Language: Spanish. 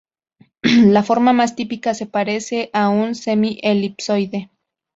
La forma más típica se parece a un semi-elipsoide.